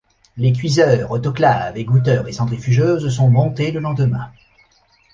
Les cuiseurs, autoclaves, égoutteurs et centrifugeuses sont montés le lendemain.